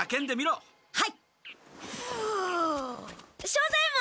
庄左ヱ門！